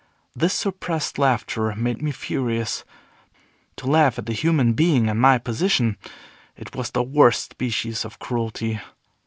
This suppressed laughter made me furious. To laugh at a human being in my position! It was the worst species of cruelty.